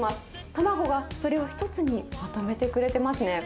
卵がそれを一つにまとめてくれてますね。